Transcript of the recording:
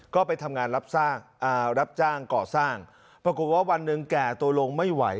ก็ไปทำงานรับจ้างก่อสร้างปรากฏว่าวันหนึ่งแก่ตัวลงไม่ไหว